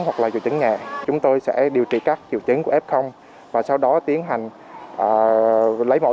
hoặc là triệu chứng nhẹ chúng tôi sẽ điều trị các triệu chứng của f và sau đó tiến hành lấy mẫu